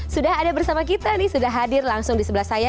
sudah ada bersama kita nih sudah hadir langsung di sebelah saya